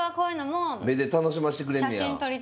目で楽しませてくれんねや。